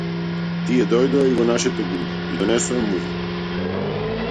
Тие дојдоа и во нашето гумно и донесоа муви.